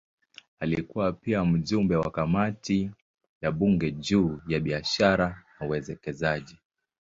Alikuwa pia mjumbe wa kamati ya bunge juu ya biashara na uwekezaji.